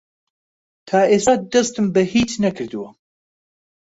تا ئێستا دەستم بە هیچ نەکردووە.